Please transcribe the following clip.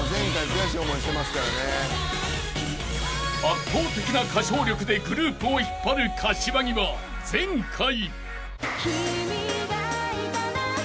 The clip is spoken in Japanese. ［圧倒的な歌唱力でグループを引っ張る柏木は前回］